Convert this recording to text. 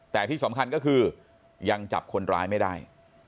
แต่ที่สำคัญก็คือยังจับคนร้ายไม่ได้